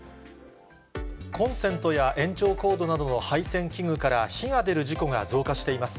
コンセントや延長コードなどの配線器具から火が出る事故が増加しています。